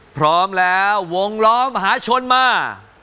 พร้อมแล้ววงล้อมหาชนมา